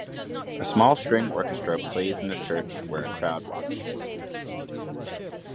A small string orchestra plays in a church where a crowd watched.